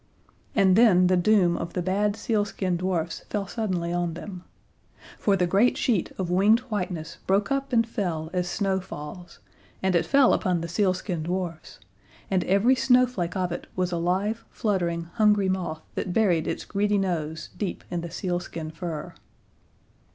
And then the doom of the bad sealskin dwarfs fell suddenly on them. For the great sheet of winged whiteness broke up and fell as snow falls, and it fell upon the sealskin dwarfs; and every snowflake of it was a live, fluttering, hungry moth that buried its greedy nose deep in the sealskin fur.